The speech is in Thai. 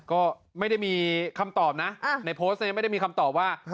ก็ไม่ได้มีคำตอบนะในโพสต์นี้ไม่ได้มีคำตอบว่า